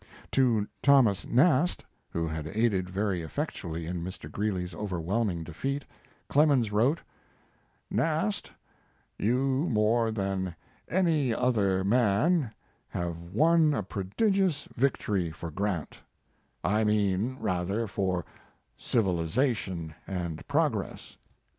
To Thomas Nast, who had aided very effectually in Mr. Greeley's overwhelming defeat, Clemens wrote: Nast, you more than any other man have won a prodigious victory for Grant I mean, rather, for civilization and progress.